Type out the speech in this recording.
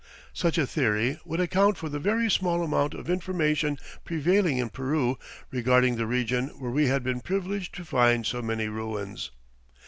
Such a theory would account for the very small amount of information prevailing in Peru regarding the region where we had been privileged to find so many ruins.